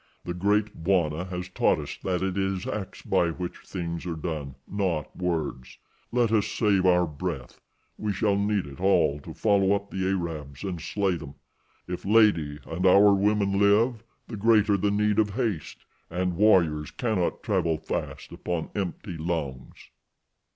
"The Great Bwana has taught us that it is acts by which things are done, not words. Let us save our breath—we shall need it all to follow up the Arabs and slay them. If 'Lady' and our women live the greater the need of haste, and warriors cannot travel fast upon empty lungs."